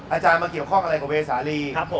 อาจารย์มาเกี่ยวข้องอะไรกับเวสาลี